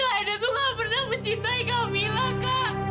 kak edo tuh gak pernah mencintai kamila kak